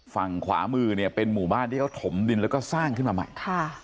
ฝั่งขวามือเนี่ยเป็นหมู่บ้านที่เขาถมดินแล้วก็สร้างขึ้นมาใหม่